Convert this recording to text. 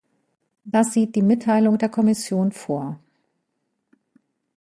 Das sieht die Mitteilung der Kommission vor.